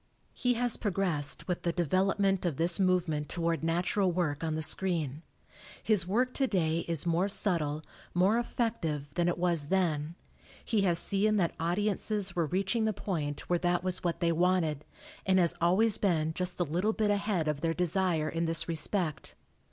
He has progressed with the development of this movement toward natural work on the screen. His work today is more subtle, more effective, than it was then ; he has seen that audiences were reaching the point where that was what they wanted, and has always been just a little bit ahead of their desire in this respect.